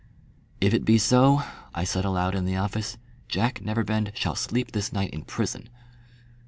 "If it be so," I said aloud in the office, "Jack Neverbend shall sleep this night in prison."